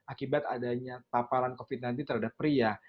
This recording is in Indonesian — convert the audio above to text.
akibat adanya paparan covid sembilan belas terhadap pria